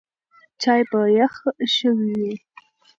چای به یخ شوی وي.